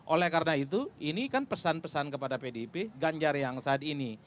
oleh karena itu ini kan pesan pesan kepada pdip ganjar yang saat ini